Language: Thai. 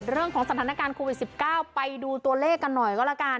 เรื่องของสถานการณ์โควิด๑๙ไปดูตัวเลขกันหน่อยก็แล้วกัน